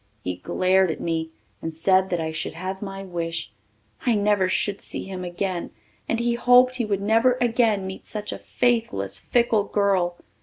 He glared at me and said that I should have my wish I never should see him again and he hoped he would never again meet such a faithless, fickle girl.